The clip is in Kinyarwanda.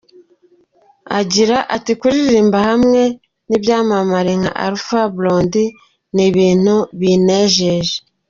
Agira ati “Kuririmbira hamwe n’ibyamamare nka Alpha Blondy, ni ibintu binejeje.